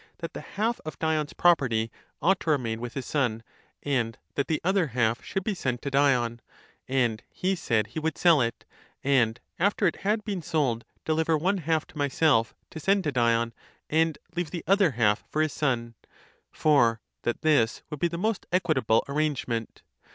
that the half of Dion's property ought to remain with his son, and that the other half should be sent to Dion; and he said he would sell it, and after it had been sold, deliver one half to myself to send to Dion, and leave the other half for his son; for that this would be the most equitable ar rangement.